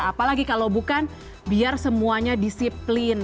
apalagi kalau bukan biar semuanya disiplin